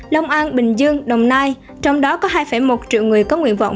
long an bình dương đồng nai trong đó có hai một triệu người có nguyện vọng